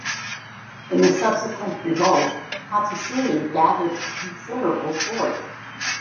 In the subsequent revolt, Hatusilli gathered a considerable force.